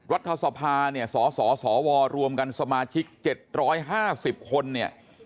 รัฐสภาเนี่ยสสวรวมกันสมาชิก๗๕๐คนเนี่ย